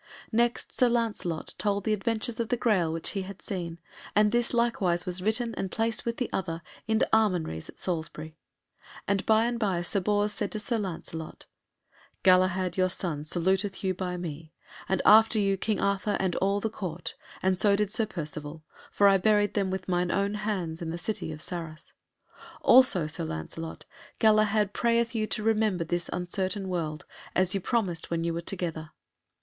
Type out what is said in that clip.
Next, Sir Lancelot told the adventures of the Graal which he had seen, and this likewise was written and placed with the other in almonries at Salisbury. And by and by Sir Bors said to Sir Lancelot, "Galahad your son saluteth you by me, and after you King Arthur and all the Court, and so did Sir Percivale; for I buried them with mine own hands in the City of Sarras. Also, Sir Lancelot, Galahad prayeth you to remember of this uncertain world, as you promised when you were together!"